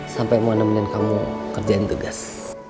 sampai mau nemenin kamu kerjain tugas